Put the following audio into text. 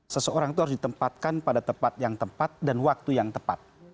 seseorang itu harus ditempatkan pada tempat yang tepat dan waktu yang tepat